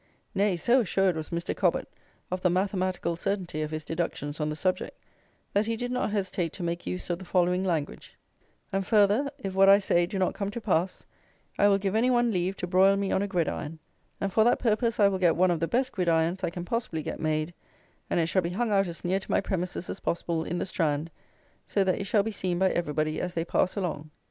Nay, so assured was Mr. Cobbett of the mathematical certainty of his deductions on the subject, that he did not hesitate to make use of the following language: 'And farther, if what I say do not come to pass, I will give any one leave to broil me on a gridiron, and for that purpose I will get one of the best gridirons I can possibly get made, and it shall be hung out as near to my premises as possible, in the Strand, so that it shall be seen by everybody as they pass along.'